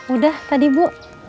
udah tadi bu